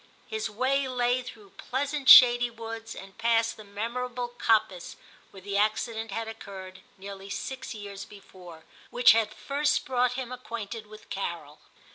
His way lay through pleasant shady woods, and past the memorable coppice where the acci dent had occurred, nearly six years before, which had first brought him acquainted with Carol.